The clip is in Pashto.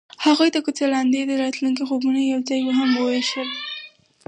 هغوی د کوڅه لاندې د راتلونکي خوبونه یوځای هم وویشل.